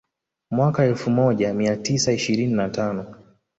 Mwaka elfu moja mia tisa ishirini na tano